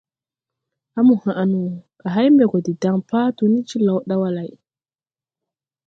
A mo haʼ no, à hay mbɛ gɔ de daŋ Patu ni jlaw ɗawa lay! ».